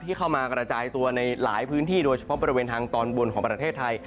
เข้ามากระจายตัวในหลายพื้นที่โดยเฉพาะบริเวณทางตอนบนของประเทศไทย